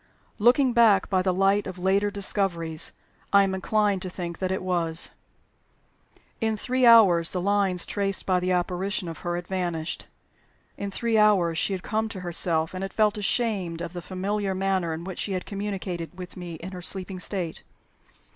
Looking back by the light of later discoveries, I am inclined to think that it was. In three hours the lines traced by the apparition of her had vanished. In three hours she had come to herself, and had felt ashamed of the familiar manner in which she had communicated with me in her sleeping state.